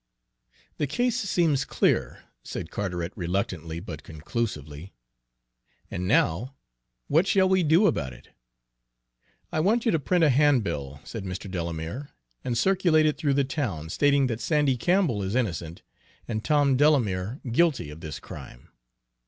"The case seems clear," said Carteret reluctantly but conclusively. "And now, what shall we do about it?" "I want you to print a handbill," said Mr. Delamere, "and circulate it through the town, stating that Sandy Campbell is innocent and Tom Delamere guilty of this crime.